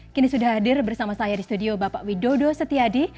kini sudah hadir bersama saya di studio bapak widodo setiadi